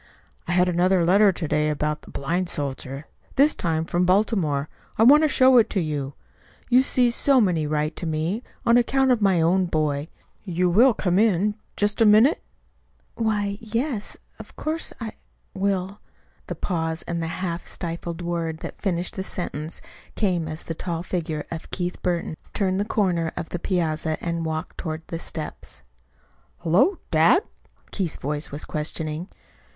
"I had another letter to day about a blind soldier this time from Baltimore. I want to show it to you. You see, so many write to me, on account of my own boy. You will come in, just a minute?" "Why, yes, of course I will." The pause, and the half stifled word that finished the sentence came as the tall figure of Keith Burton turned the corner of the piazza and walked toward the steps. "Hullo! Dad?" Keith's voice was questioning.